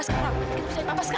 masya allah papa